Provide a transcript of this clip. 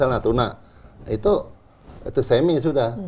nah itu semis sudah